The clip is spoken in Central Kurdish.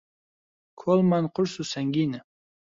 کۆڵمان قورس و سەنگینە